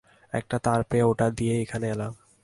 একটা তার পেয়ে ওটা দিয়েই এখানে এলাম।